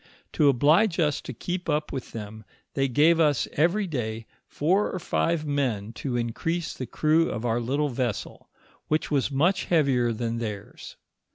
To oblige us to keep up with them, they gave us every day four or five men to increase the crew of our little vessel, which was much heavier than theirs.